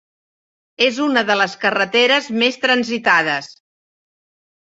És una de les carreteres més transitades.